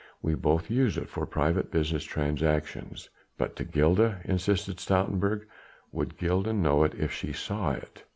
We both use it for private business transactions." "But to Gilda?" insisted Stoutenburg. "Would Gilda know it if she saw it?"